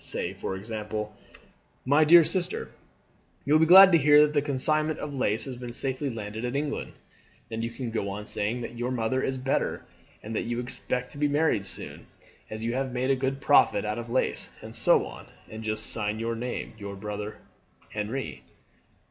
Say, for example: "'My dear Sister, You will be glad to hear that the consignment of lace has been safely landed in England,' Then you can go on saying that 'your mother is better, and that you expect to be married soon, as you have made a good profit out of the lace,' and so on; and just sign your name 'Your brother Henri.'